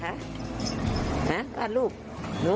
ไฟรัสช่วยด้วย